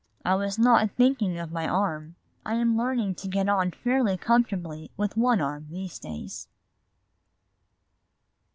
"I was not thinking of my arm; I am learning to get on fairly comfortably with one arm these days."